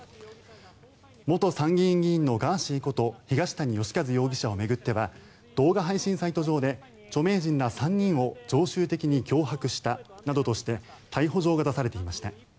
元参議院議員のガーシーこと東谷義和容疑者を巡っては動画配信サイト上で著名人ら３人を常習的に脅迫したなどとして逮捕状が出されていました。